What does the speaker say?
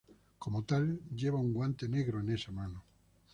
Como tal, lleva un guante negro en esa mano.